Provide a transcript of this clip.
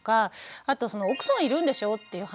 あと「奥さんいるんでしょ」っていう話